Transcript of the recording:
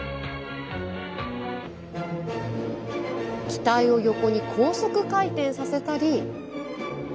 機体を横に高速回転させたり。